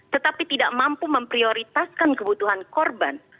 tetapi tidak mampu memprioritaskan kebutuhan korban